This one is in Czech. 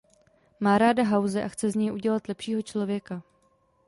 Má ráda House a chce z něj udělat lepšího člověka.